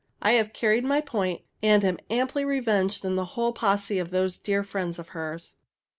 I have carried my point, and am amply revenged on the whole posse of those dear friends of hers.